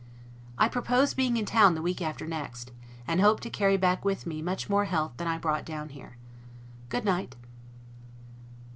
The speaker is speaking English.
I propose being in town the week after next, and hope to carry back with me much more health than I brought down here. Good night.